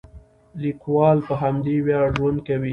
لیکوال په همدې ویاړ ژوند کوي.